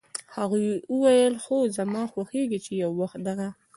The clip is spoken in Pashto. هغې وویل: "هو، زما خوښېږي چې یو وخت دغه